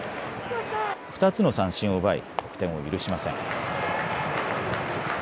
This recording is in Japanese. ２つの三振を奪い得点を許しません。